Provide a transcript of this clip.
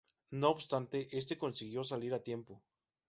No obstante, este consiguió salir a tiempo.